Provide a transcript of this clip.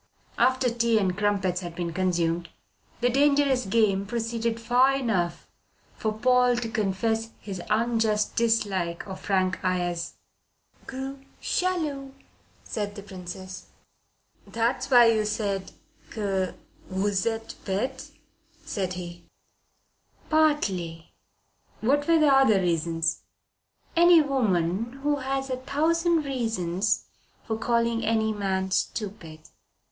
After tea and crumpets had been consumed, the dangerous game proceeded far enough for Paul to confess his unjust dislike of Frank Ayres. "Gros jaloux," said the Princess. "That was why you said que vous etes bete," said he. "Partly." "What were the other reasons?" "Any woman has a thousand reasons for calling any man stupid."